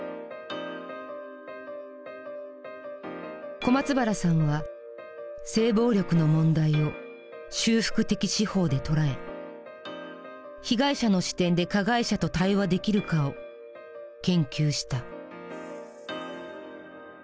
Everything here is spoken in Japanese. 小松原さんは性暴力の問題を修復的司法で捉え「被害者の視点で加害者と対話できるか」を研究した。